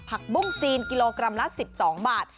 บุ้งจีนกิโลกรัมละ๑๒บาท